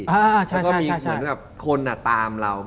มันมีเหมือนคุณอ่ะก็ตามเรา